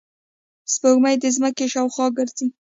سپوږمۍ د ځمکې شاوخوا ګرځي